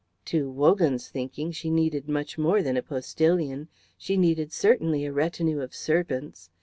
To Wogan's thinking she needed much more than a postillion. She needed certainly a retinue of servants.